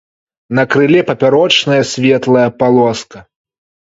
На крыле папярочная светлая палоска.